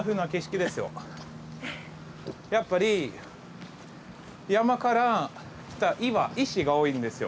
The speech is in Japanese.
やっぱり山から来た岩石が多いんですよ。